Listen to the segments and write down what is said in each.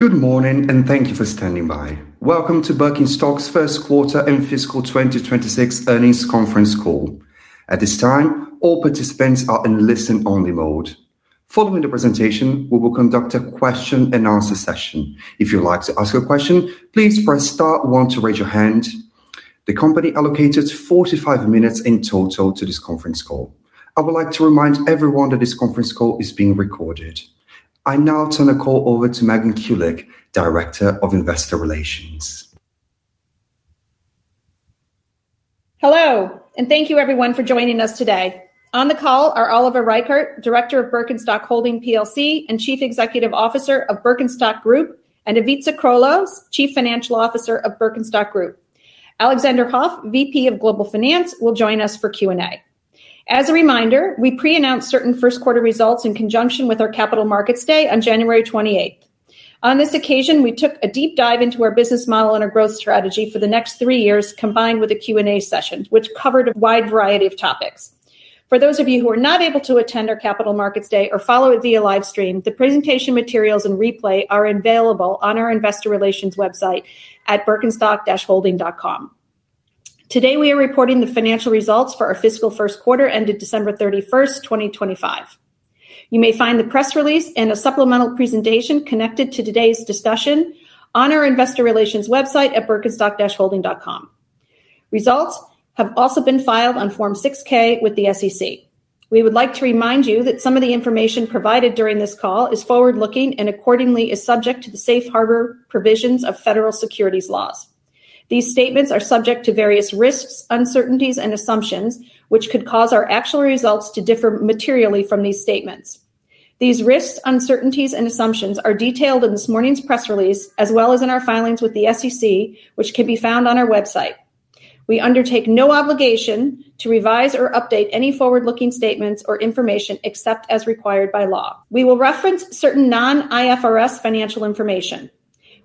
Good morning, and thank you for standing by. Welcome to Birkenstock's first quarter and fiscal 2026 earnings conference call. At this time, all participants are in listen-only mode. Following the presentation, we will conduct a question-and-answer session. If you'd like to ask a question, please press star one to raise your hand. The company allocated 45 minutes in total to this conference call. I would like to remind everyone that this conference call is being recorded. I now turn the call over to Megan Kulick, Director of Investor Relations. Hello, and thank you everyone for joining us today. On the call are Oliver Reichert, Director of Birkenstock Holding plc, and Chief Executive Officer of Birkenstock Group, and Ivica Krolo, Chief Financial Officer of Birkenstock Group. Alexander Hoff, VP of Global Finance, will join us for Q&A. As a reminder, we pre-announced certain first quarter results in conjunction with our Capital Markets Day on January 28. On this occasion, we took a deep dive into our business model and our growth strategy for the next three years, combined with a Q&A session, which covered a wide variety of topics. For those of you who were not able to attend our Capital Markets Day or follow it via live stream, the presentation materials and replay are available on our investor relations website at birkenstock-holding.com. Today, we are reporting the financial results for our fiscal first quarter ended December 31, 2025. You may find the press release and a supplemental presentation connected to today's discussion on our investor relations website at birkenstock-holding.com. Results have also been filed on Form 6-K with the SEC. We would like to remind you that some of the information provided during this call is forward-looking, and accordingly, is subject to the safe harbor provisions of federal securities laws. These statements are subject to various risks, uncertainties, and assumptions, which could cause our actual results to differ materially from these statements. These risks, uncertainties, and assumptions are detailed in this morning's press release, as well as in our filings with the SEC, which can be found on our website. We undertake no obligation to revise or update any forward-looking statements or information except as required by law. We will reference certain non-IFRS financial information.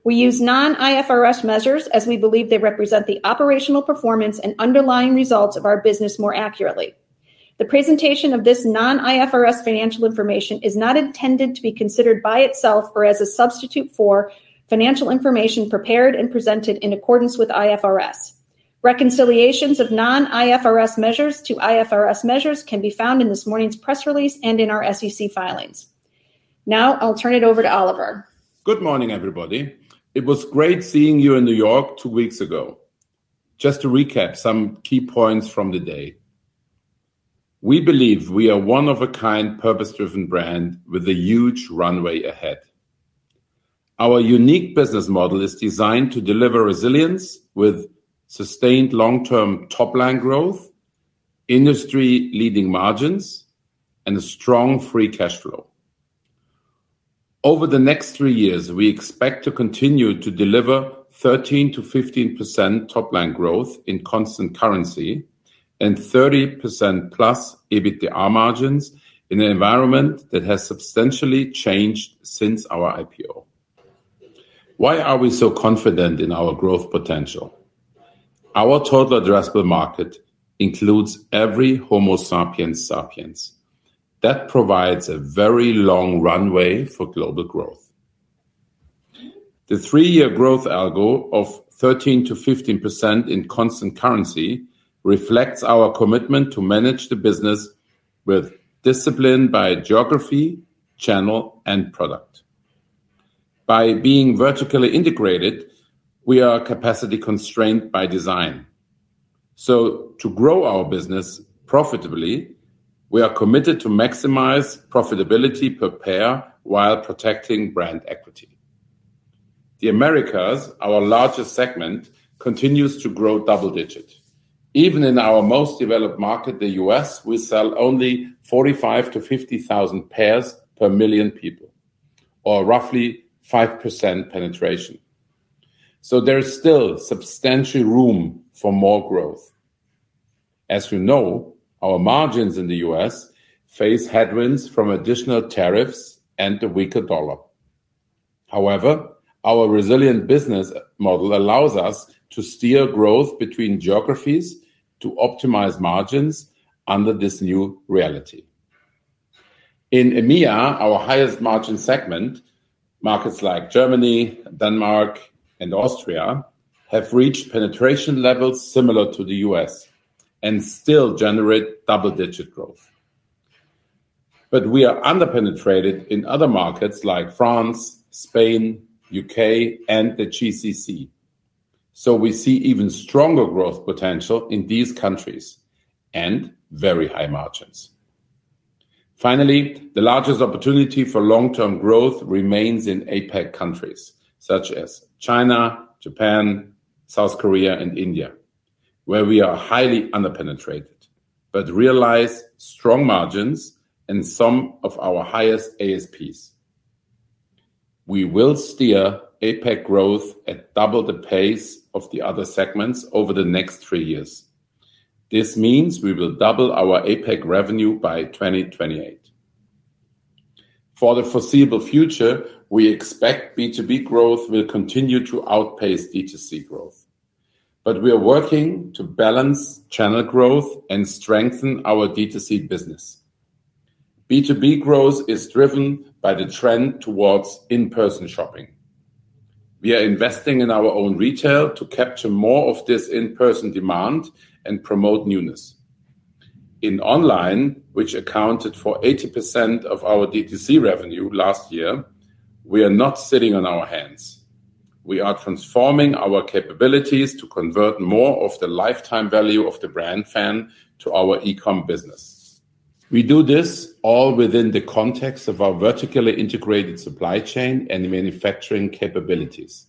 We use Non-IFRS measures as we believe they represent the operational performance and underlying results of our business more accurately. The presentation of this Non-IFRS financial information is not intended to be considered by itself or as a substitute for financial information prepared and presented in accordance with IFRS. Reconciliations of Non-IFRS measures to IFRS measures can be found in this morning's press release and in our SEC filings. Now, I'll turn it over to Oliver. Good morning, everybody. It was great seeing you in New York two weeks ago. Just to recap some key points from the day. We believe we are one-of-a-kind, purpose-driven brand with a huge runway ahead. Our unique business model is designed to deliver resilience with sustained long-term top-line growth, industry-leading margins, and a strong free cash flow. Over the next three years, we expect to continue to deliver 13%-15% top-line growth in constant currency and 30%+ EBITDA margins in an environment that has substantially changed since our IPO. Why are we so confident in our growth potential? Our total addressable market includes every Homo sapiens sapiens. That provides a very long runway for global growth. The three-year growth algo of 13%-15% in constant currency reflects our commitment to manage the business with discipline by geography, channel, and product. By being vertically integrated, we are capacity constrained by design. So to grow our business profitably, we are committed to maximize profitability per pair while protecting brand equity. The Americas, our largest segment, continues to grow double digits. Even in our most developed market, the U.S., we sell only 45,000-50,000 pairs per million people, or roughly 5% penetration. So there is still substantial room for more growth. As you know, our margins in the U.S. face headwinds from additional tariffs and the weaker dollar. However, our resilient business model allows us to steer growth between geographies to optimize margins under this new reality. In EMEA, our highest margin segment, markets like Germany, Denmark, and Austria have reached penetration levels similar to the U.S. and still generate double-digit growth. But we are under-penetrated in other markets like France, Spain, U.K., and the GCC, so we see even stronger growth potential in these countries and very high margins. Finally, the largest opportunity for long-term growth remains in APAC countries such as China, Japan, South Korea, and India, where we are highly under-penetrated but realize strong margins and some of our highest ASPs. We will steer APAC growth at double the pace of the other segments over the next three years. This means we will double our APAC revenue by 2028. For the foreseeable future, we expect B2B growth will continue to outpace D2C growth, but we are working to balance channel growth and strengthen our D2C business. B2B growth is driven by the trend towards in-person shopping. We are investing in our own retail to capture more of this in-person demand and promote newness. In online, which accounted for 80% of our DTC revenue last year, we are not sitting on our hands. We are transforming our capabilities to convert more of the lifetime value of the brand fan to our E-com business. We do this all within the context of our vertically integrated supply chain and manufacturing capabilities.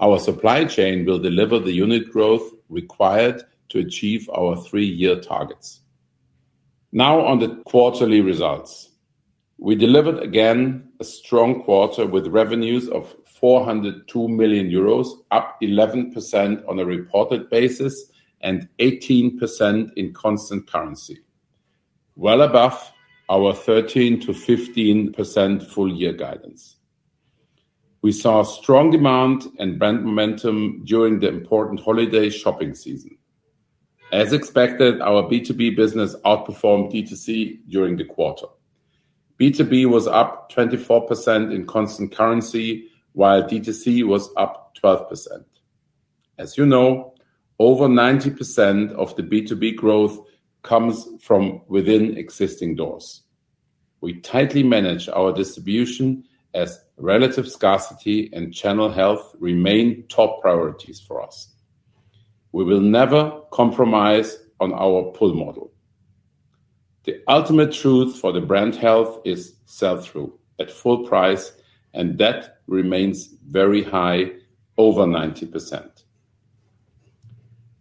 Our supply chain will deliver the unit growth required to achieve our three-year targets. Now, on the quarterly results. We delivered again a strong quarter with revenues of 402 million euros, up 11% on a reported basis and 18% in constant currency, well above our 13%-15% full year guidance. We saw strong demand and brand momentum during the important holiday shopping season. As expected, our B2B business outperformed DTC during the quarter. B2B was up 24% in constant currency, while DTC was up 12%. As you know, over 90% of the B2B growth comes from within existing doors. We tightly manage our distribution as relative scarcity and channel health remain top priorities for us. We will never compromise on our pull model. The ultimate truth for the brand health is sell-through at full price, and that remains very high, over 90%.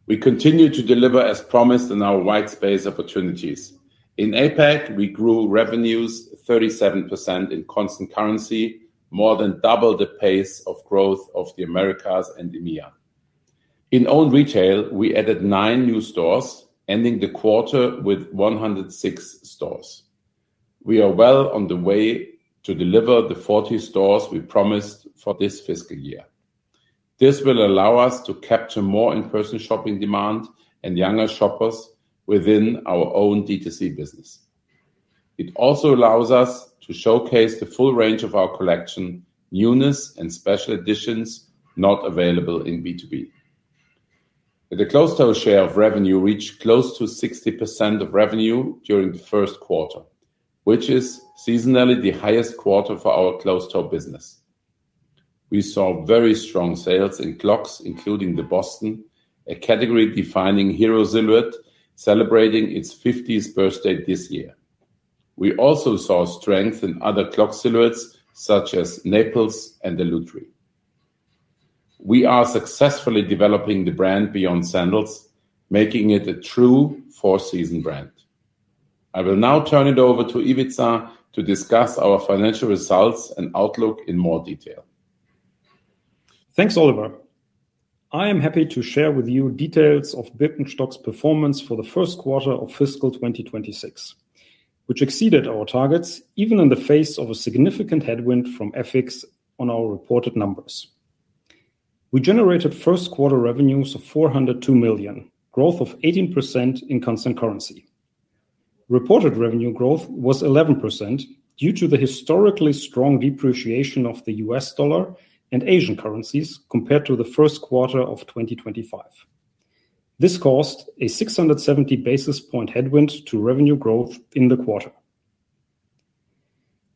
We continue to deliver as promised in our white space opportunities. In APAC, we grew revenues 37% in constant currency, more than double the pace of growth of the Americas and EMEA. In own retail, we added 9 new stores, ending the quarter with 106 stores. We are well on the way to deliver the 40 stores we promised for this fiscal year. This will allow us to capture more in-person shopping demand and younger shoppers within our own DTC business. It also allows us to showcase the full range of our collection, newness, and special editions not available in B2B. The closed-toe share of revenue reached close to 60% of revenue during the first quarter, which is seasonally the highest quarter for our closed-toe business. We saw very strong sales in clogs, including the Boston, a category-defining hero silhouette celebrating its fiftieth birthday this year. We also saw strength in other clog silhouettes, such as Naples and the Lutry. We are successfully developing the brand beyond sandals, making it a true four-season brand. I will now turn it over to Ivica to discuss our financial results and outlook in more detail. Thanks, Oliver. I am happy to share with you details of Birkenstock's performance for the first quarter of fiscal 2026, which exceeded our targets, even in the face of a significant headwind from FX on our reported numbers. We generated first quarter revenues of 402 million, growth of 18% in constant currency. Reported revenue growth was 11% due to the historically strong depreciation of the US dollar and Asian currencies compared to the first quarter of 2025. This caused a 670 basis point headwind to revenue growth in the quarter.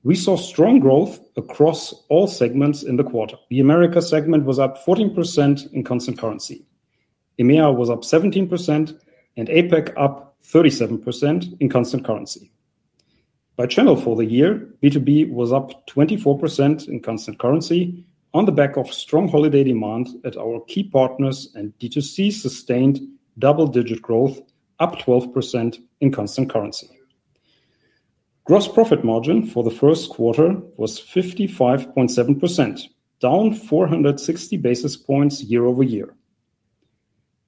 We saw strong growth across all segments in the quarter. The Americas segment was up 14% in constant currency. EMEA was up 17%, and APAC up 37% in constant currency. By channel for the year, B2B was up 24% in constant currency on the back of strong holiday demand at our key partners, and DTC sustained double-digit growth, up 12% in constant currency. Gross profit margin for the first quarter was 55.7%, down 460 basis points year-over-year.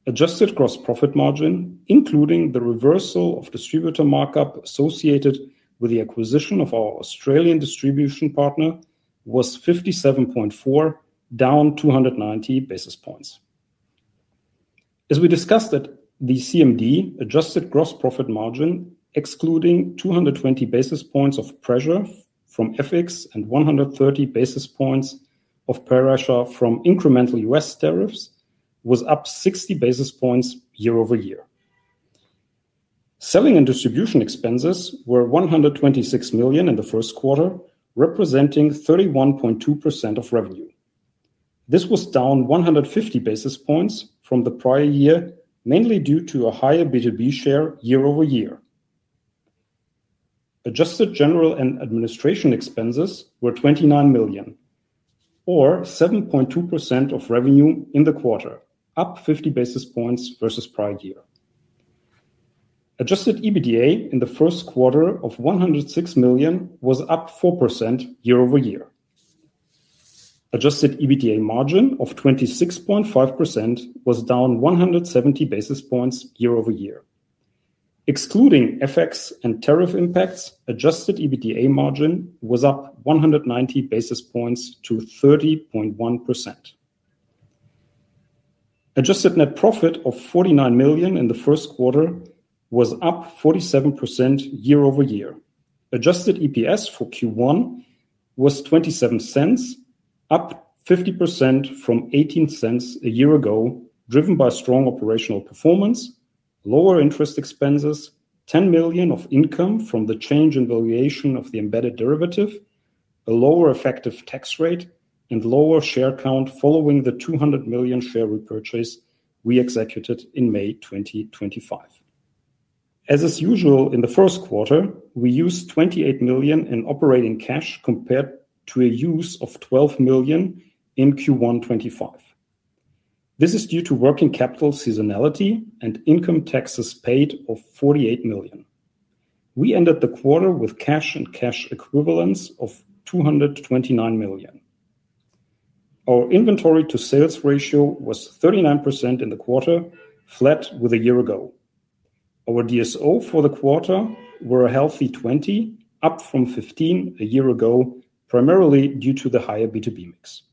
Adjusted gross profit margin, including the reversal of distributor markup associated with the acquisition of our Australian distribution partner, was 57.4%, down 290 basis points. As we discussed at the CMD, adjusted gross profit margin, excluding 220 basis points of pressure from FX and 130 basis points of pressure from incremental US tariffs, was up 60 basis points year-over-year. Selling and distribution expenses were 126 million in the first quarter, representing 31.2% of revenue. This was down 150 basis points from the prior year, mainly due to a higher B2B share year-over-year. Adjusted general and administrative expenses were 29 million, or 7.2% of revenue in the quarter, up 50 basis points versus prior year. Adjusted EBITDA in the first quarter of 106 million was up 4% year-over-year. Adjusted EBITDA margin of 26.5% was down 170 basis points year-over-year. Excluding FX and tariff impacts, adjusted EBITDA margin was up 190 basis points to 30.1%. Adjusted net profit of 49 million in the first quarter was up 47% year-over-year. Adjusted EPS for Q1 was $0.27, up 50% from $0.18 a year ago, driven by strong operational performance, lower interest expenses, $10 million of income from the change in valuation of the embedded derivative, a lower effective tax rate, and lower share count following the $200 million share repurchase we executed in May 2025. As is usual in the first quarter, we used $28 million in operating cash compared to a use of $12 million in Q1 2025. This is due to working capital seasonality and income taxes paid of $48 million. We ended the quarter with cash and cash equivalents of $229 million. Our inventory to sales ratio was 39% in the quarter, flat with a year ago. Our DSO for the quarter were a healthy 20, up from 15 a year ago, primarily due to the higher B2B mix.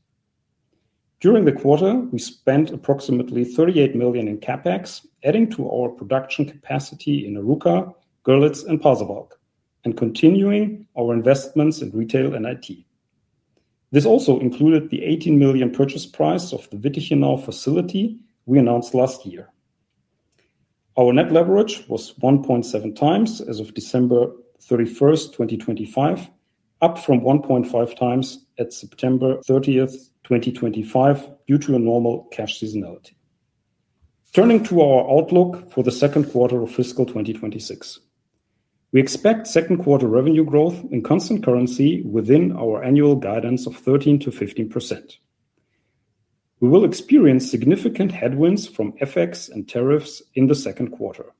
During the quarter, we spent approximately 38 million in CapEx, adding to our production capacity in Arouca, Görlitz, and Pasewalk, and continuing our investments in retail and IT. This also included the 18 million purchase price of the Wittichenau facility we announced last year. Our net leverage was 1.7x as of December 31st, 2025, up from 1.5x at September 30th, 2025, due to a normal cash seasonality. Turning to our outlook for the second quarter of fiscal 2026. We expect second quarter revenue growth and constant currency within our annual guidance of 13%-15%. We will experience significant headwinds from FX and tariffs in the second quarter.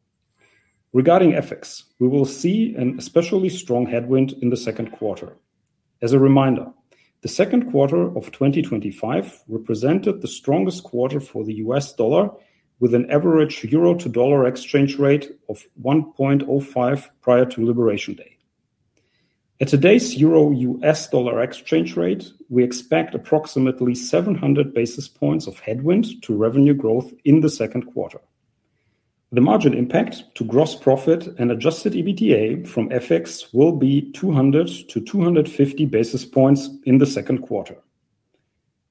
Regarding FX, we will see an especially strong headwind in the second quarter. As a reminder, the second quarter of 2025 represented the strongest quarter for the US dollar, with an average euro to dollar exchange rate of 1.05 prior to Liberation Day. At today's euro-US dollar exchange rate, we expect approximately 700 basis points of headwind to revenue growth in the second quarter. The margin impact to gross profit and adjusted EBITDA from FX will be 200-250 basis points in the second quarter.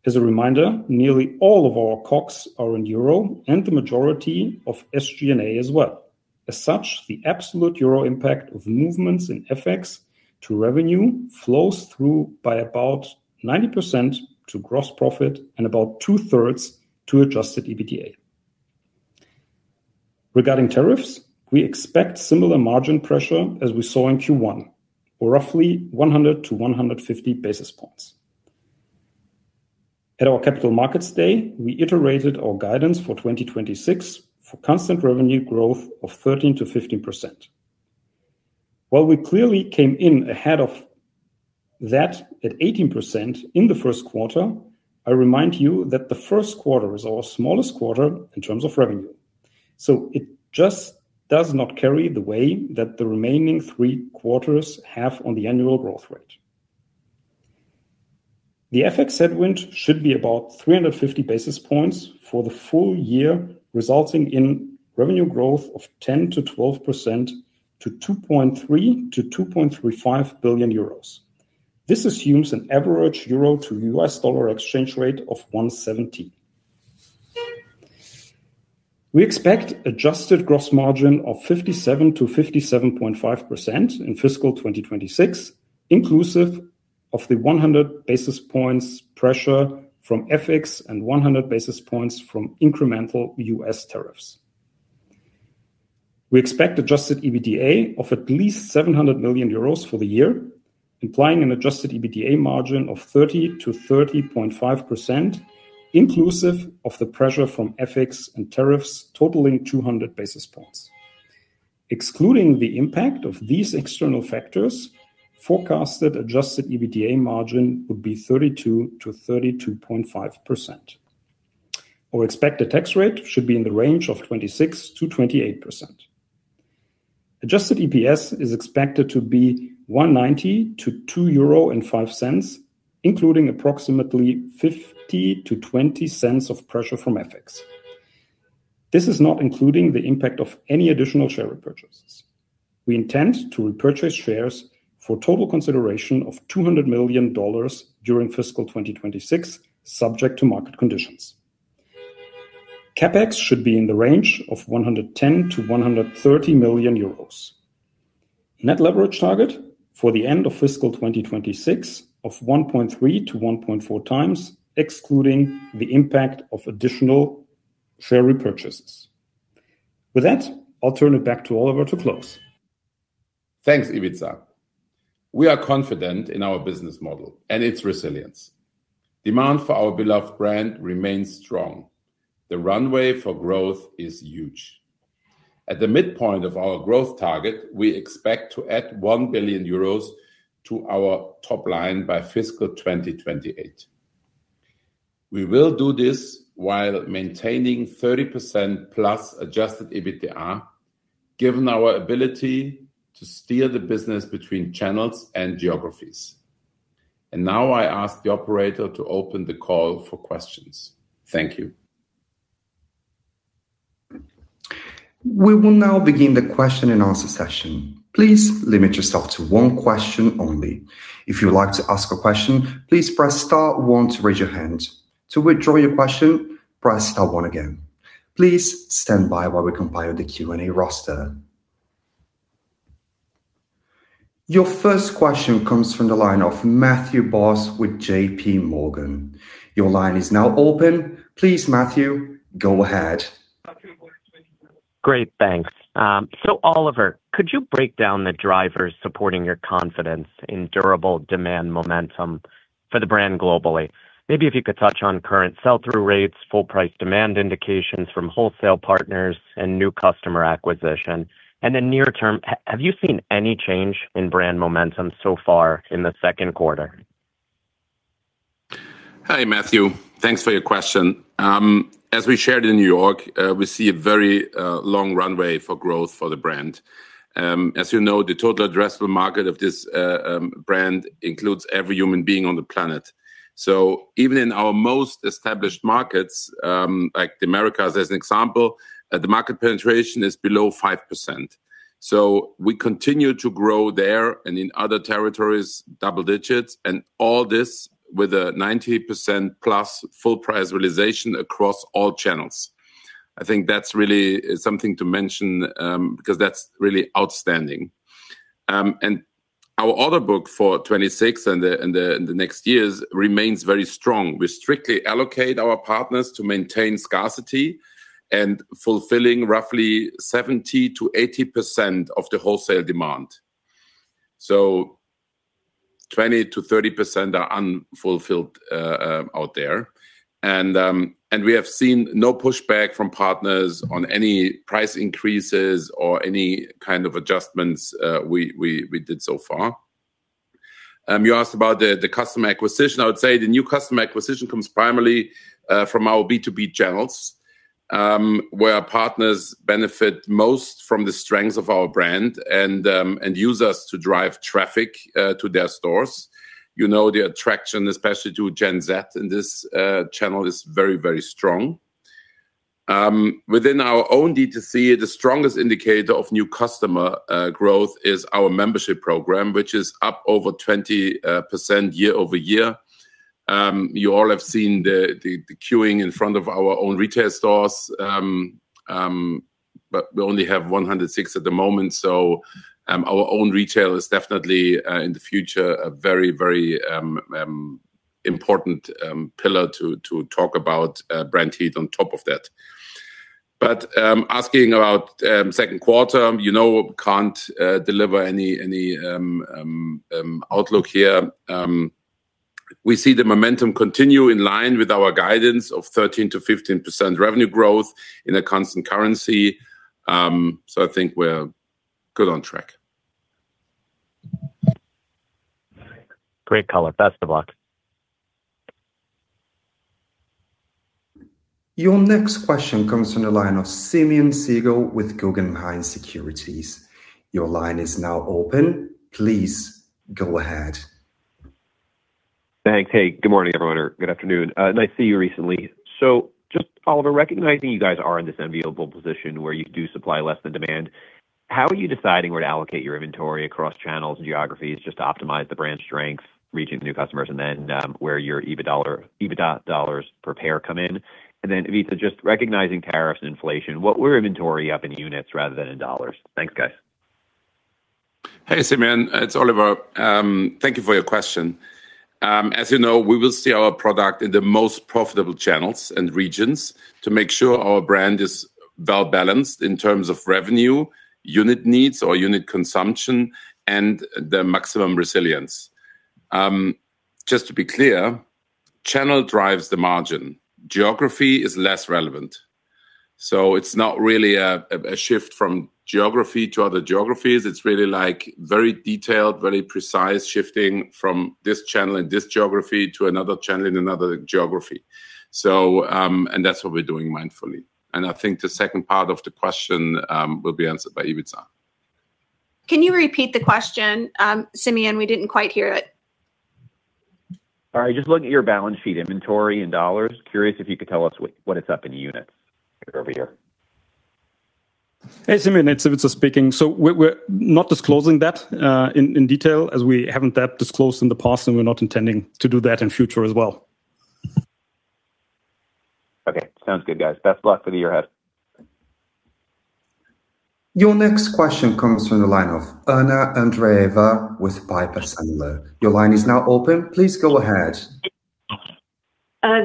As a reminder, nearly all of our COGS are in euro and the majority of SG&A as well. As such, the absolute euro impact of movements in FX to revenue flows through by about 90% to gross profit and about two-thirds to adjusted EBITDA. Regarding tariffs, we expect similar margin pressure as we saw in Q1, or roughly 100-150 basis points. At our Capital Markets Day, we iterated our guidance for 2026 for constant revenue growth of 13%-15%. While we clearly came in ahead of that at 18% in the first quarter, I remind you that the first quarter is our smallest quarter in terms of revenue. So it just does not carry the weight that the remaining three quarters have on the annual growth rate. The FX headwind should be about 350 basis points for the full year, resulting in revenue growth of 10%-12% to 2.3 billion-2.35 billion euros. This assumes an average euro to US dollar exchange rate of 1.70. We expect adjusted gross margin of 57%-57.5% in fiscal 2026, inclusive of the 100 basis points pressure from FX and 100 basis points from incremental US tariffs. We expect Adjusted EBITDA of at least 700 million euros for the year, implying an Adjusted EBITDA margin of 30%-30.5%, inclusive of the pressure from FX and tariffs totaling 200 basis points. Excluding the impact of these external factors, forecasted Adjusted EBITDA margin would be 32%-32.5%. Our expected tax rate should be in the range of 26%-28%. Adjusted EPS is expected to be €1.90-€2.05, including approximately 50-20 cents of pressure from FX. This is not including the impact of any additional share repurchases. We intend to repurchase shares for total consideration of $200 million during fiscal 2026, subject to market conditions. CapEx should be in the range of 110 million-130 million euros. Net leverage target for the end of fiscal 2026 of 1.3-1.4x, excluding the impact of additional share repurchases. With that, I'll turn it back to Oliver to close. Thanks, Ivica. We are confident in our business model and its resilience. Demand for our beloved brand remains strong. The runway for growth is huge. At the midpoint of our growth target, we expect to add 1 billion euros to our top line by fiscal 2028. We will do this while maintaining 30%+ adjusted EBITDA, given our ability to steer the business between channels and geographies. And now I ask the operator to open the call for questions. Thank you. We will now begin the question and answer session. Please limit yourself to one question only. If you would like to ask a question, please press star one to raise your hand. To withdraw your question, press star one again. Please stand by while we compile the Q&A roster. Your first question comes from the line of Matthew Boss with JPMorgan. Your line is now open. Please, Matthew, go ahead. Great, thanks. So Oliver, could you break down the drivers supporting your confidence in durable demand momentum for the brand globally? Maybe if you could touch on current sell-through rates, full price demand indications from wholesale partners, and new customer acquisition. And then near term, have you seen any change in brand momentum so far in the second quarter? Hi, Matthew. Thanks for your question. As we shared in New York, we see a very long runway for growth for the brand. As you know, the total addressable market of this brand includes every human being on the planet. So even in our most established markets, like the Americas, as an example, the market penetration is below 5%. So we continue to grow there and in other territories, double digits, and all this with a 90%+ full price realization across all channels. I think that's really something to mention, because that's really outstanding. And our order book for 2026 and the next years remains very strong. We strictly allocate our partners to maintain scarcity and fulfilling roughly 70%-80% of the wholesale demand. So 20%-30% are unfulfilled out there. And we have seen no pushback from partners on any price increases or any kind of adjustments we did so far. You asked about the customer acquisition. I would say the new customer acquisition comes primarily from our B2B channels, where our partners benefit most from the strengths of our brand and use us to drive traffic to their stores. You know, the attraction, especially to Gen Z, in this channel is very, very strong. Within our own D2C, the strongest indicator of new customer growth is our membership program, which is up over 20% year-over-year. You all have seen the queuing in front of our own retail stores, but we only have 106 at the moment, so our own retail is definitely in the future a very, very important pillar to talk about brand heat on top of that. But asking about second quarter, you know, we can't deliver any outlook here. We see the momentum continue in line with our guidance of 13%-15% revenue growth in a constant currency. So I think we're good on track. Great color. Best of luck. Your next question comes from the line of Simeon Siegel with Guggenheim Securities. Your line is now open. Please go ahead. Thanks. Hey, good morning, everyone, or good afternoon. Nice to see you recently. So just, Oliver, recognizing you guys are in this enviable position where you do supply less than demand, how are you deciding where to allocate your inventory across channels and geographies, just to optimize the brand strength, reaching new customers, and then, where your EBITDA dollars per pair come in? And then, Ivica, just recognizing tariffs and inflation, what were inventory up in units rather than in dollars? Thanks, guys. Hey, Simeon, it's Oliver. Thank you for your question. As you know, we will see our product in the most profitable channels and regions to make sure our brand is well-balanced in terms of revenue, unit needs or unit consumption, and the maximum resilience. Just to be clear, channel drives the margin. Geography is less relevant. So it's not really a shift from geography to other geographies. It's really, like, very detailed, very precise, shifting from this channel and this geography to another channel in another geography. So, and that's what we're doing mindfully. And I think the second part of the question will be answered by Ivica. Can you repeat the question? Simeon, we didn't quite hear it. All right. Just looking at your balance sheet, inventory in dollars, curious if you could tell us what it's up in units year-over-year. Hey, Simeon, it's Ivica speaking. So we're not disclosing that in detail, as we haven't that disclosed in the past, and we're not intending to do that in future as well. Okay. Sounds good, guys. Best of luck for the year ahead. Your next question comes from the line of Anna Andreeva with Piper Sandler. Your line is now open. Please go ahead.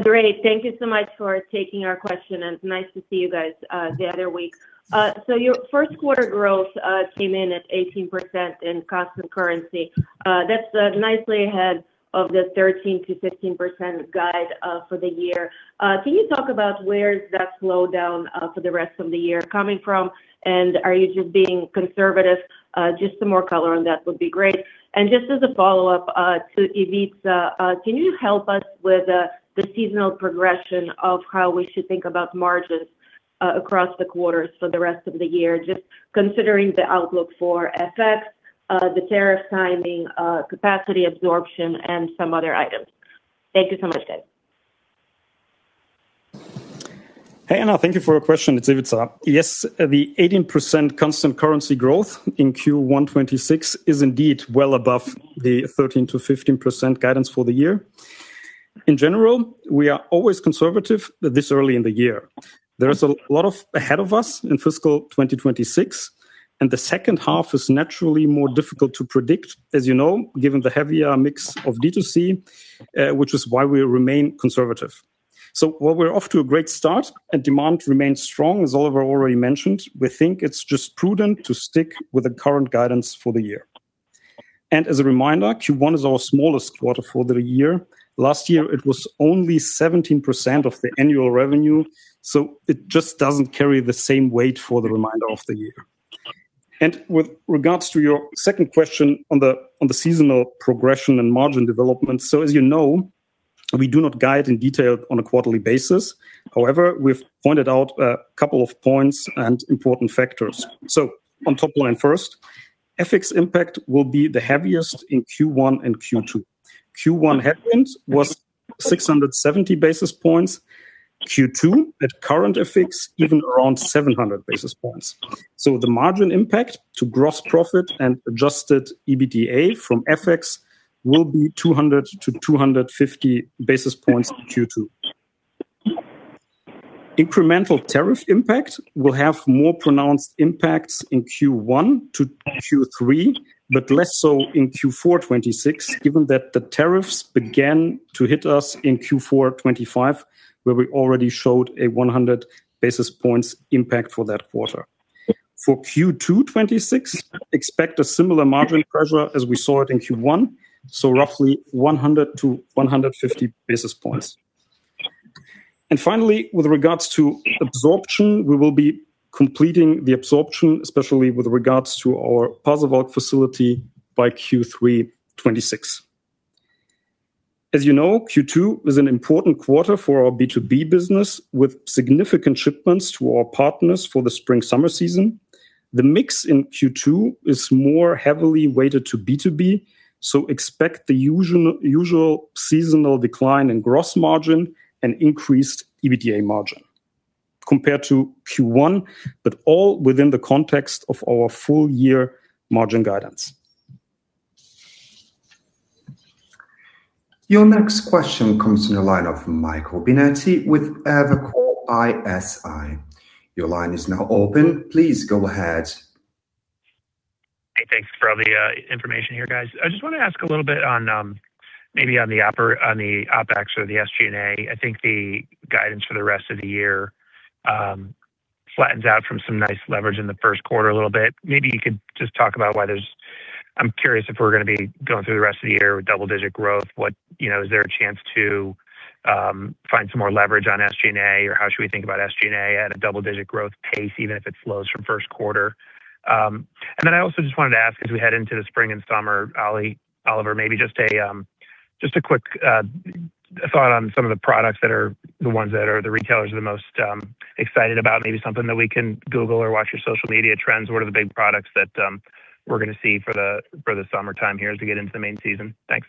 Great. Thank you so much for taking our question, and nice to see you guys the other week. So your first quarter growth came in at 18% in constant currency. That's nicely ahead of the 13%-15% guide for the year. Can you talk about where is that slowdown for the rest of the year coming from, and are you just being conservative? Just some more color on that would be great. And just as a follow-up to Ivica, can you help us with the seasonal progression of how we should think about margins across the quarters for the rest of the year, just considering the outlook for FX, the tariff timing, capacity absorption, and some other items? Thank you so much, guys. Hey, Anna, thank you for your question. It's Ivica. Yes, the 18% constant currency growth in Q1 2026 is indeed well above the 13%-15% guidance for the year. In general, we are always conservative this early in the year. There is a lot of ahead of us in fiscal 2026, and the second half is naturally more difficult to predict, as you know, given the heavier mix of D2C, which is why we remain conservative. So while we're off to a great start and demand remains strong, as Oliver already mentioned, we think it's just prudent to stick with the current guidance for the year. And as a reminder, Q1 is our smallest quarter for the year. Last year, it was only 17% of the annual revenue, so it just doesn't carry the same weight for the remainder of the year. With regards to your second question on the seasonal progression and margin development, so as you know, we do not guide in detail on a quarterly basis. However, we've pointed out a couple of points and important factors. So on top line first, FX impact will be the heaviest in Q1 and Q2. Q1 headwind was 670 basis points, Q2 at current FX, even around 700 basis points. So the margin impact to gross profit and Adjusted EBITDA from FX will be 200-250 basis points in Q2. Incremental tariff impact will have more pronounced impacts in Q1 to Q3, but less so in Q4 2026, given that the tariffs began to hit us in Q4 2025, where we already showed a 100 basis points impact for that quarter. For Q2 2026, expect a similar margin pressure as we saw it in Q1, so roughly 100-150 basis points. And finally, with regards to absorption, we will be completing the absorption, especially with regards to our Pasewalk facility, by Q3 2026. As you know, Q2 is an important quarter for our B2B business, with significant shipments to our partners for the spring/summer season. The mix in Q2 is more heavily weighted to B2B, so expect the usual seasonal decline in gross margin and increased EBITDA margin compared to Q1, but all within the context of our full year margin guidance. Your next question comes in the line of Michael Binetti with Evercore ISI. Your line is now open. Please go ahead. Hey, thanks for all the information here, guys. I just want to ask a little bit on maybe on the OpEx or the SG&A. I think the guidance for the rest of the year flattens out from some nice leverage in the first quarter a little bit. Maybe you could just talk about why there's. I'm curious if we're gonna be going through the rest of the year with double-digit growth. You know, is there a chance to find some more leverage on SG&A, or how should we think about SG&A at a double-digit growth pace, even if it slows from first quarter? And then I also just wanted to ask, as we head into the spring and summer, Oli, Oliver, maybe just a quick thought on some of the products that are the ones that are the retailers are the most excited about. Maybe something that we can Google or watch your social media trends. What are the big products that we're gonna see for the summertime here as we get into the main season? Thanks.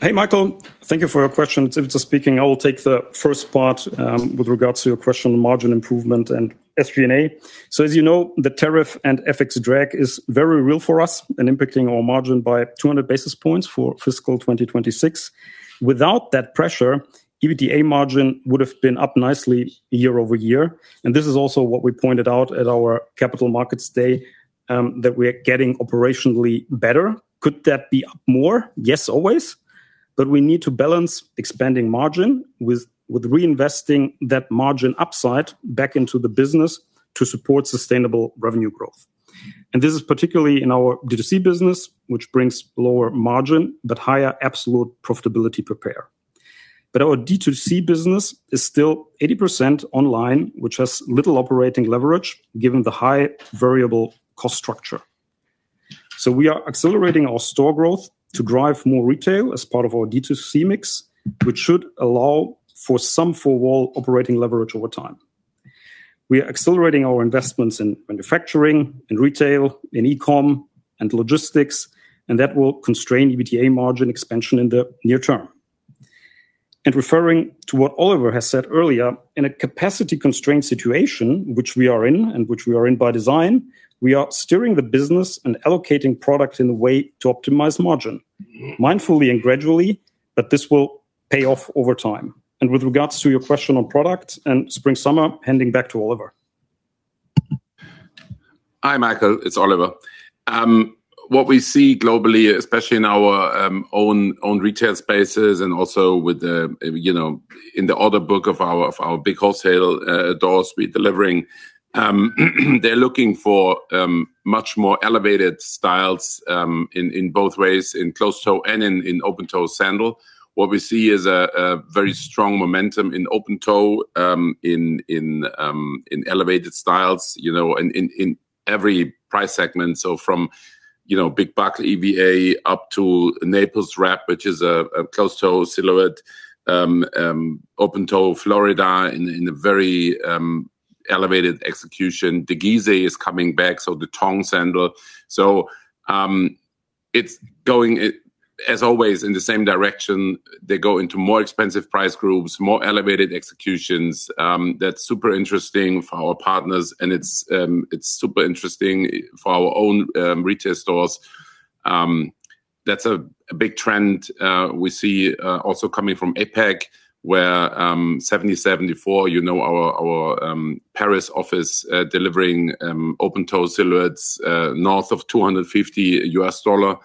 Hey, Michael. Thank you for your question. It's Ivica speaking. I will take the first part with regards to your question on margin improvement and SG&A. So as you know, the tariff and FX drag is very real for us and impacting our margin by 200 basis points for fiscal 2026. Without that pressure, EBITDA margin would have been up nicely year-over-year, and this is also what we pointed out at our Capital Markets Day that we are getting operationally better. Could that be up more? Yes, always. But we need to balance expanding margin with, with reinvesting that margin upside back into the business to support sustainable revenue growth. And this is particularly in our D2C business, which brings lower margin, but higher absolute profitability per pair. Our D2C business is still 80% online, which has little operating leverage, given the high variable cost structure. We are accelerating our store growth to drive more retail as part of our D2C mix, which should allow for some four-wall operating leverage over time. We are accelerating our investments in manufacturing, in retail, in e-com, and logistics, and that will constrain EBITDA margin expansion in the near term. Referring to what Oliver has said earlier, in a capacity constraint situation, which we are in, and which we are in by design, we are steering the business and allocating product in a way to optimize margin, mindfully and gradually, but this will pay off over time. With regards to your question on product and spring/summer, handing back to Oliver. Hi, Michael, it's Oliver. What we see globally, especially in our own retail spaces and also with the, you know, in the order book of our big wholesale doors we're delivering, they're looking for much more elevated styles, in both ways, in closed-toe and in open-toe sandal. What we see is a very strong momentum in open-toe, in elevated styles, you know, in every price segment. So from, you know, Big Buckle EVA up to Naples wrap, which is a closed-toe silhouette, open-toe Florida in a very elevated execution. The Gizeh is coming back, so the thong sandal. So, it's going, it, as always, in the same direction. They go into more expensive price groups, more elevated executions. That's super interesting for our partners, and it's super interesting for our own retail stores. That's a big trend we see also coming from APAC, where 1774, you know, our Paris office delivering open-toe silhouettes north of $250.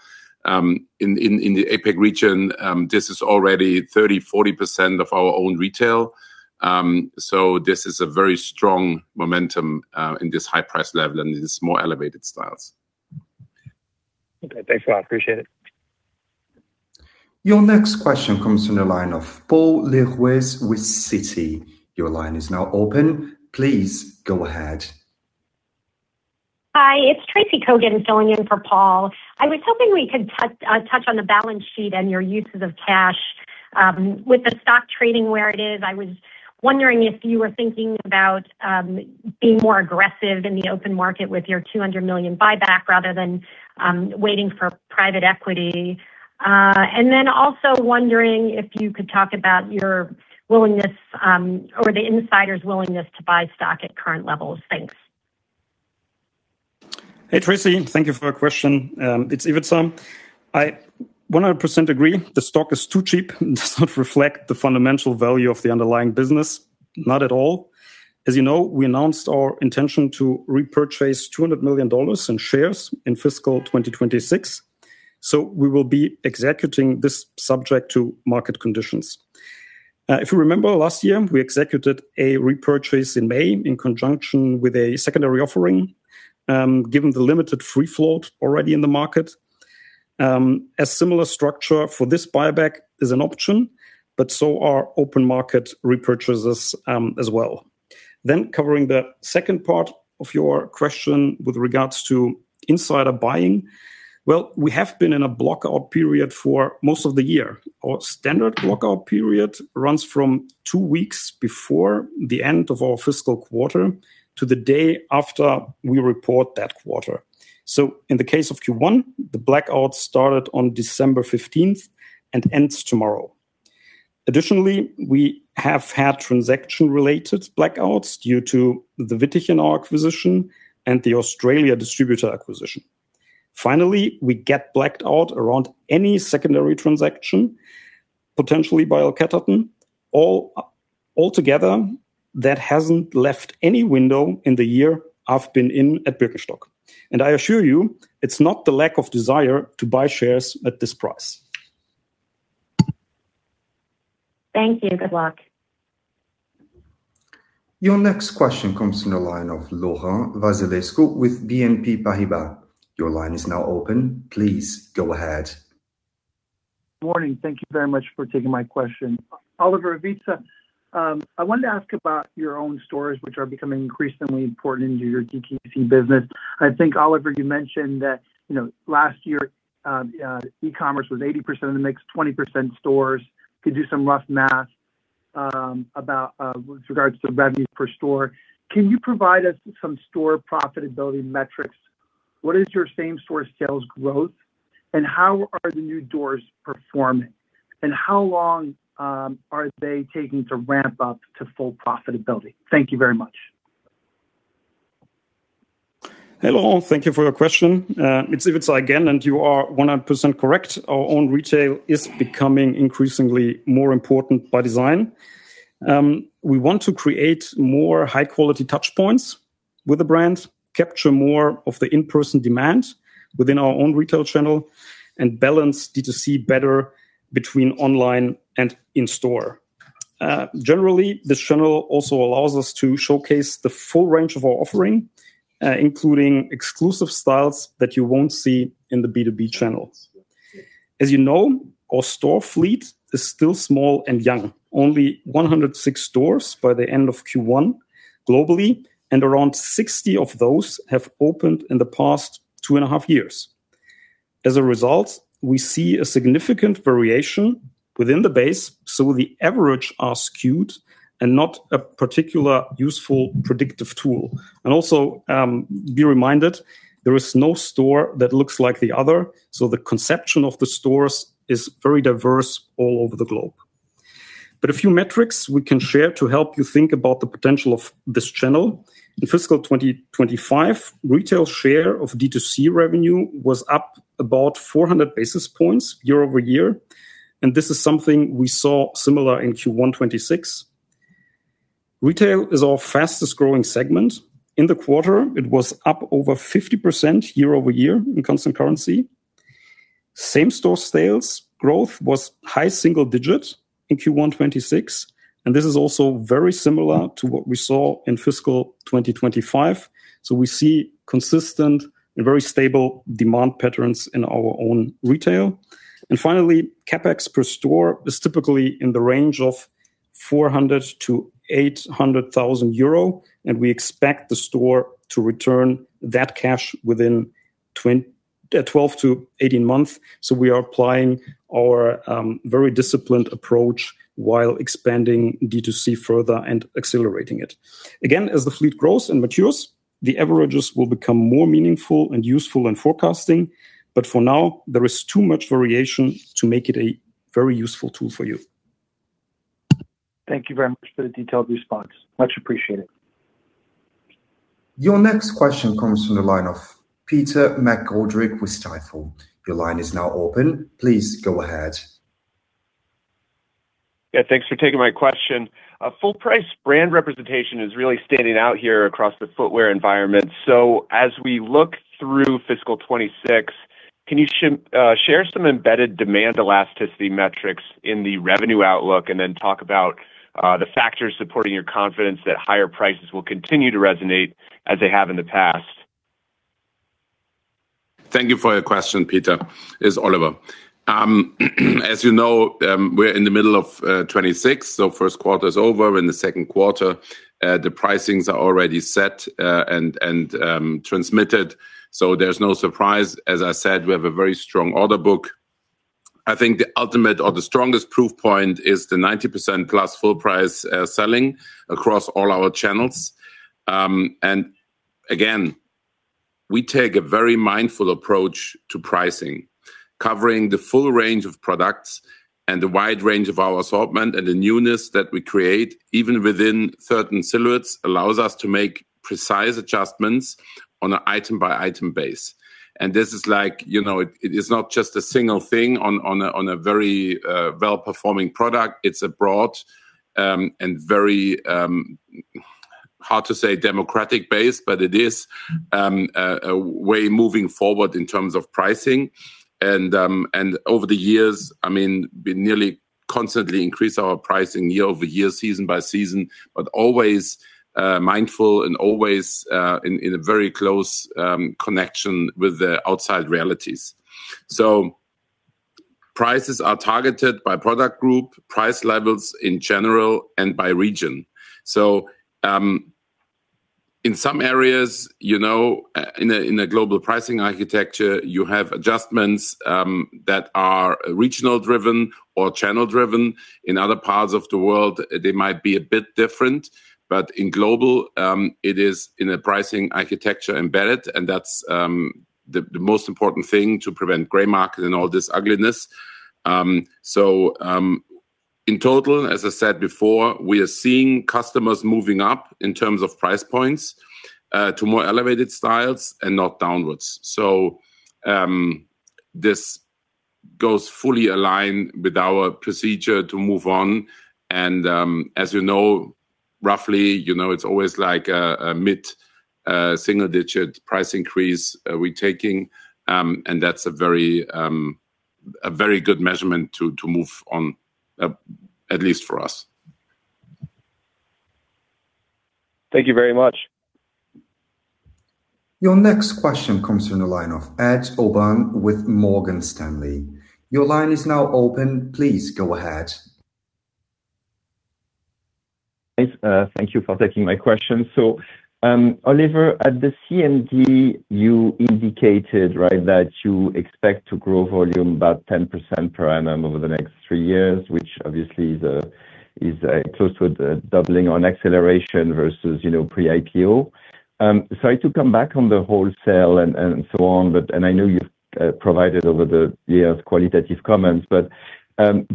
In the APAC region, this is already 30%-40% of our own retail. So this is a very strong momentum in this high price level and in these more elevated styles. Okay, thanks a lot. Appreciate it. Your next question comes from the line of Paul Lejuez with Citi. Your line is now open. Please go ahead. Hi, it's Tracy Kogan filling in for Paul. I was hoping we could touch on the balance sheet and your uses of cash. With the stock trading where it is, I was wondering if you were thinking about being more aggressive in the open market with your $200 million buyback rather than waiting for private equity? And then also wondering if you could talk about your willingness or the insiders' willingness to buy stock at current levels. Thanks. Hey, Tracy, thank you for your question. It's Ivica. I 100% agree the stock is too cheap and does not reflect the fundamental value of the underlying business, not at all. As you know, we announced our intention to repurchase $200 million in shares in fiscal 2026, so we will be executing this subject to market conditions. If you remember last year, we executed a repurchase in May in conjunction with a secondary offering. Given the limited free float already in the market, a similar structure for this buyback is an option, but so are open market repurchases, as well. Then, covering the second part of your question with regards to insider buying. Well, we have been in a blackout period for most of the year. Our standard blackout period runs from two weeks before the end of our fiscal quarter to the day after we report that quarter. So in the case of Q1, the blackout started on December 15th and ends tomorrow. Additionally, we have had transaction-related blackouts due to the Wittichenau acquisition and the Australia distributor acquisition. Finally, we get blacked out around any secondary transaction, potentially by L Catterton. Altogether, that hasn't left any window in the year I've been in at Birkenstock, and I assure you, it's not the lack of desire to buy shares at this price. Thank you. Good luck. Your next question comes from the line of Laurent Vasilescu with BNP Paribas. Your line is now open. Please go ahead. Morning. Thank you very much for taking my question. Oliver, Ivica, I wanted to ask about your own stores, which are becoming increasingly important to your DTC business. I think, Oliver, you mentioned that, you know, last year, e-commerce was 80% of the mix, 20% stores. Could do some rough math, about, with regards to revenue per store. Can you provide us some store profitability metrics? What is your same store sales growth? And how are the new doors performing? And how long, are they taking to ramp up to full profitability? Thank you very much. Hello, thank you for your question. It's Ivica again, and you are 100% correct. Our own retail is becoming increasingly more important by design. We want to create more high-quality touch points with the brand, capture more of the in-person demand within our own retail channel, and balance DTC better between online and in-store. Generally, this channel also allows us to showcase the full range of our offering, including exclusive styles that you won't see in the B2B channels. As you know, our store fleet is still small and young. Only 106 stores by the end of Q1 globally, and around 60 of those have opened in the past 2.5 years. As a result, we see a significant variation within the base, so the average are skewed and not a particular useful predictive tool. Also, be reminded, there is no store that looks like the other, so the conception of the stores is very diverse all over the globe. But a few metrics we can share to help you think about the potential of this channel. In fiscal 2025, retail share of DTC revenue was up about 400 basis points year-over-year, and this is something we saw similar in Q1 2026. Retail is our fastest-growing segment. In the quarter, it was up over 50% year-over-year in constant currency. Same store sales growth was high single digits in Q1 2026, and this is also very similar to what we saw in fiscal 2025. So we see consistent and very stable demand patterns in our own retail. Finally, CapEx per store is typically in the range of 400 thousand-800 thousand euro, and we expect the store to return that cash within 12-18 months. We are applying our very disciplined approach while expanding D2C further and accelerating it. Again, as the fleet grows and matures, the averages will become more meaningful and useful in forecasting, but for now, there is too much variation to make it a very useful tool for you. Thank you very much for the detailed response. Much appreciated. Your next question comes from the line of Peter McGoldrick with Stifel. Your line is now open. Please go ahead. Yeah, thanks for taking my question. A full price brand representation is really standing out here across the footwear environment. So as we look through fiscal 2026, can you share some embedded demand elasticity metrics in the revenue outlook, and then talk about the factors supporting your confidence that higher prices will continue to resonate as they have in the past? Thank you for your question, Peter. It's Oliver. As you know, we're in the middle of 2026, so first quarter is over. In the second quarter, the pricings are already set, and, and, transmitted, so there's no surprise. As I said, we have a very strong order book. I think the ultimate or the strongest proof point is the 90%+ full price selling across all our channels. And again, we take a very mindful approach to pricing, covering the full range of products and the wide range of our assortment and the newness that we create, even within certain silhouettes, allows us to make precise adjustments on an item-by-item base. And this is like, you know, it, it is not just a single thing on, on a, on a very well-performing product. It's a broad, and very, hard to say, democratic base, but it is, a way moving forward in terms of pricing. And, and over the years, I mean, we nearly constantly increase our pricing year-over-year, season by season, but always, mindful and always, in, in a very close, connection with the outside realities. So prices are targeted by product group, price levels in general, and by region. So, in some areas, you know, in a global pricing architecture, you have adjustments, that are regional driven or channel driven. In other parts of the world, they might be a bit different, but in global, it is in a pricing architecture embedded, and that's, the most important thing to prevent gray market and all this ugliness. So, in total, as I said before, we are seeing customers moving up in terms of price points, to more elevated styles and not downwards. So, this goes fully aligned with our procedure to move on and, as you know, roughly, you know, it's always like a mid single-digit price increase, we're taking, and that's a very, a very good measurement to move on, at least for us. Thank you very much. Your next question comes from the line of Ed Aubin with Morgan Stanley. Your line is now open. Please go ahead. Thanks, thank you for taking my question. So, Oliver, at the CMD, you indicated, right, that you expect to grow volume about 10% per annum over the next three years, which obviously is close to the doubling on acceleration versus, you know, pre-IPO. So to come back on the wholesale and so on, but and I know you've provided over the years qualitative comments, but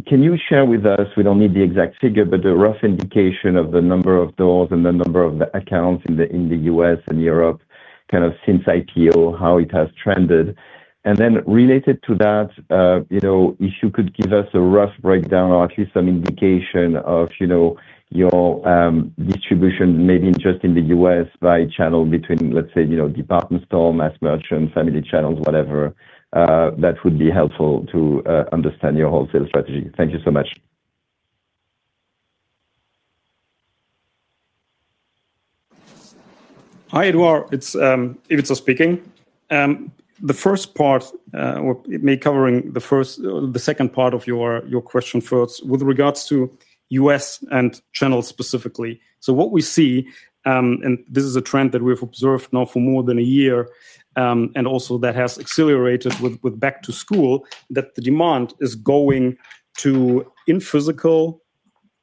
can you share with us, we don't need the exact figure, but a rough indication of the number of doors and the number of accounts in the U.S. and Europe, kind of since IPO, how it has trended? Then related to that, you know, if you could give us a rough breakdown or at least some indication of, you know, your distribution, maybe just in the U.S. by channel between, let's say, you know, department store, mass merchant, family channels, whatever, that would be helpful to understand your wholesale strategy. Thank you so much. Hi, Edouard. It's Ivica speaking. The first part, or me covering the first, the second part of your question first. With regards to U.S. and channels specifically, so what we see, and this is a trend that we've observed now for more than a year, and also that has accelerated with back to school, that the demand is going to in-physical,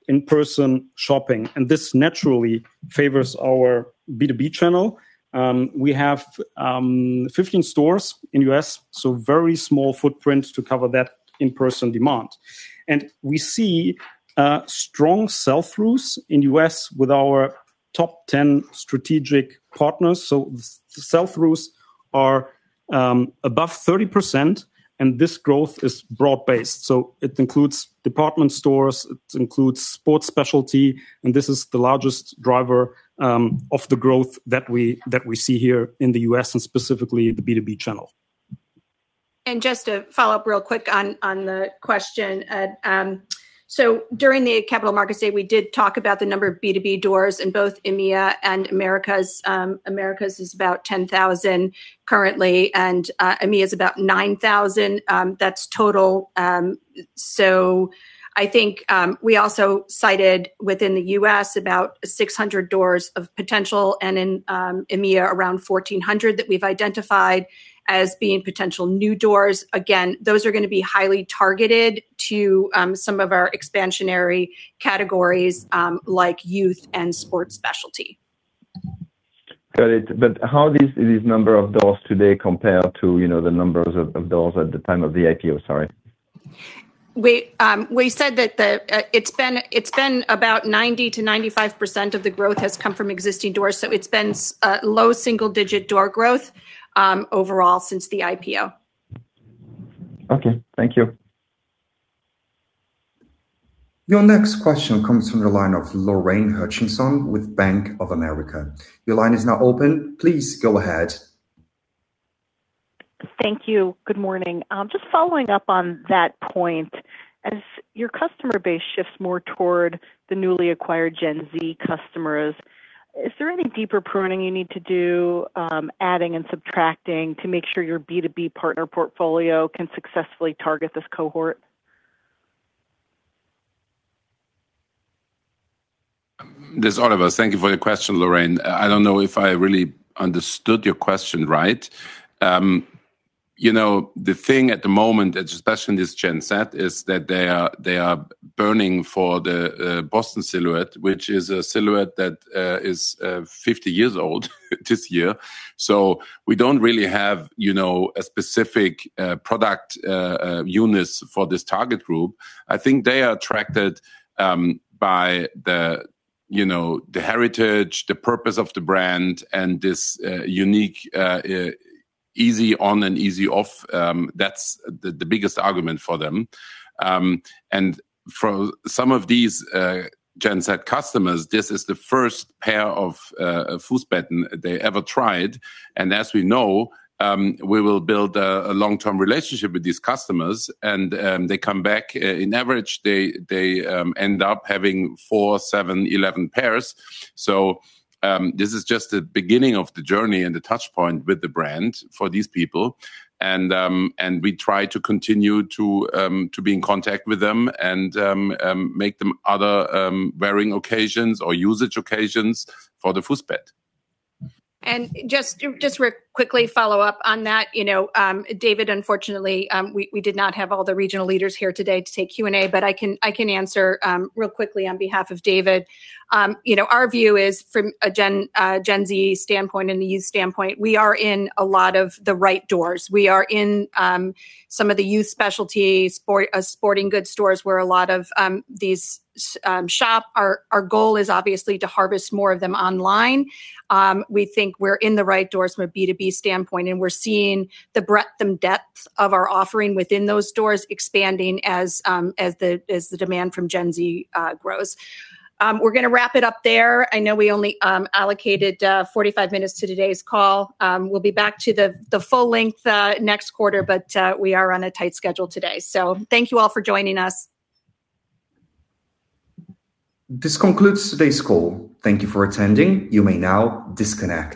in-person shopping, and this naturally favors our B2B channel. We have 15 stores in U.S., so very small footprint to cover that in-person demand. And we see strong sell-throughs in U.S. with our top 10 strategic partners. The sell-throughs are above 30%, and this growth is broad-based, so it includes department stores, it includes sports specialty, and this is the largest driver of the growth that we see here in the US and specifically the B2B channel. Just to follow up real quick on, on the question. So during the Capital Markets Day, we did talk about the number of B2B doors in both EMEA and Americas. Americas is about 10,000 currently, and EMEA is about 9,000, that's total. So I think we also cited within the U.S. about 600 doors of potential and in EMEA around 1,400 that we've identified as being potential new doors. Again, those are gonna be highly targeted to some of our expansionary categories, like youth and sports specialty. Got it. But how these number of doors today compare to, you know, the numbers of doors at the time of the IPO? Sorry. We said that it's been about 90%-95% of the growth has come from existing doors, so it's been low single digit door growth overall since the IPO. Okay. Thank you. Your next question comes from the line of Lorraine Hutchinson with Bank of America. Your line is now open. Please go ahead. Thank you. Good morning. Just following up on that point, as your customer base shifts more toward the newly acquired Gen Z customers, is there any deeper pruning you need to do, adding and subtracting, to make sure your B2B partner portfolio can successfully target this cohort? This is Oliver. Thank you for your question, Lorraine. I don't know if I really understood your question right. You know, the thing at the moment, especially in this Gen Z, is that they are, they are burning for the Boston silhouette, which is a silhouette that is 50 years old this year. So we don't really have, you know, a specific product units for this target group. I think they are attracted by the, you know, the heritage, the purpose of the brand, and this unique easy on and easy off. That's the biggest argument for them. And for some of these Gen Z customers, this is the first pair of Fussbett they ever tried. As we know, we will build a long-term relationship with these customers, and they come back. On average, they end up having 4, 7, 11 pairs. So, this is just the beginning of the journey and the touch point with the brand for these people. And we try to continue to be in contact with them and make them other wearing occasions or usage occasions for the Fussbett. Just real quickly follow up on that, you know, David, unfortunately, we did not have all the regional leaders here today to take Q&A, but I can answer real quickly on behalf of David. You know, our view is from a Gen Z standpoint and the youth standpoint, we are in a lot of the right doors. We are in some of the youth specialty sport, sporting goods stores where a lot of these shop. Our goal is obviously to harvest more of them online. We think we're in the right doors from a B2B standpoint, and we're seeing the breadth and depth of our offering within those stores expanding as the demand from Gen Z grows. We're gonna wrap it up there. I know we only allocated 45 minutes to today's call. We'll be back to the full length next quarter, but we are on a tight schedule today. So thank you all for joining us. This concludes today's call. Thank you for attending. You may now disconnect.